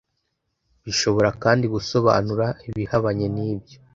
bishobora kandi gusobanura ibihabanye nibyo